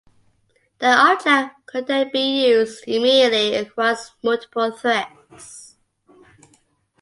The object could then be used immediately across multiple threads.